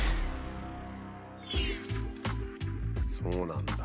そうなんだ。